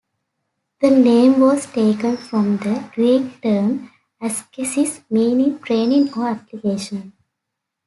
The name was taken from the Greek term "Askesis", meaning 'training' or 'application'.